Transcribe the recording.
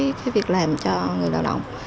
có cái việc làm cho người lao động